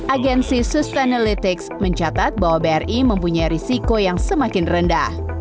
agensi sustainalytics mencatat bahwa bri mempunyai risiko yang semakin rendah